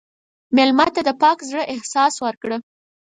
مېلمه ته د پاک زړه احساس ورکړه.